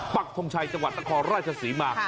ปักท่มชายจังหวัดทะคอร่ายศักดิ์ศรีมา